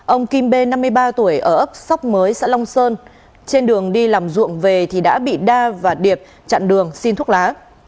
ông kim b năm mươi ba tuổi ở ấp sóc mới xã long sơn trên đường đi làm ruộng về thì đã bị đa và điệp chặn đường xin thuốc lá